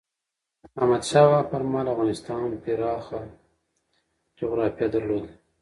احمد شاه بابا پر مهال افغانستان پراخه جغرافیه درلوده.